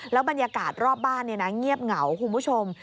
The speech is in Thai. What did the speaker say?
บรรยากาศรอบบ้านเงียบเหงาคุณผู้ชม